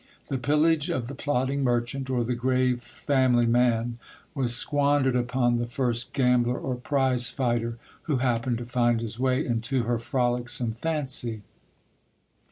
The pillage of the plodding merchant, or the grave family man, was squandered upon the first gambler or prize fighter who happened to find his way into her frolicsome fancy.